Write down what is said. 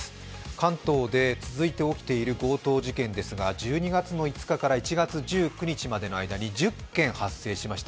関東で続いて起きている強盗事件ですが１２月の５日から１月１９日の間に１０件発生しました。